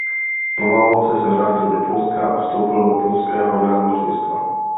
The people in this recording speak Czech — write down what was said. Po válce se vrátil do Polska a vstoupil do polského námořnictva.